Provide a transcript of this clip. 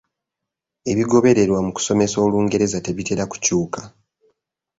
Ebigobererwa mu kusomesa Olungereza tebitera kukyuka.